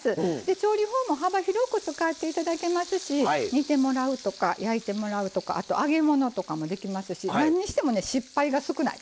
調理法も幅広く使って頂けますし煮てもらうとか焼いてもらうとかあと揚げ物とかもできますし何にしてもね失敗が少ない。